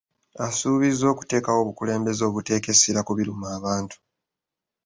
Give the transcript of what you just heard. Asuubiza okuteekawo obukulembeze obuteeka essira ku biruma abantu.